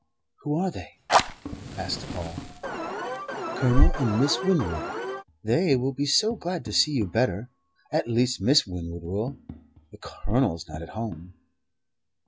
"Who are they?" asked Paul. "Colonel and Miss Winwood. They will be so glad to see you better at least Miss Winwood will; the Colonel's not at home."